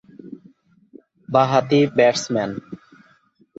বাঁহাতি ব্যাটসম্যান।